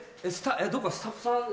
どっかスタッフさん。